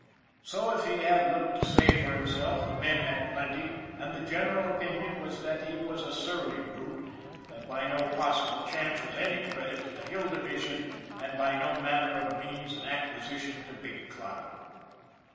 So, if he had little to say for himself, the men had plenty, and the general opinion was that he was a surly brute that by no possible chance was any credit to the Hill Division and by no manner of means an acquisition to Big Cloud.